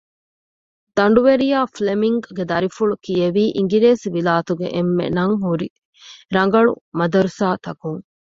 ދަނޑުވެރިޔާ ފްލެމިންގ ގެ ދަރިފުޅު ކިޔެވީ އިނގިރޭސިވިލާތުގެ އެންމެ ނަން ހުރި ރަނގަޅު މަދުރަސާތަކުން